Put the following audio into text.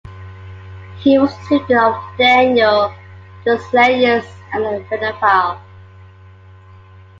He was a student of Daniel Juslenius and a Fennophile.